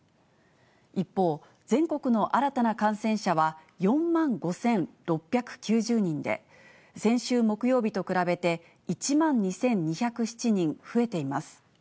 一方、全国の新たな感染者は４万５６９０人で、先週木曜日と比べて、１万２２０７人増えています。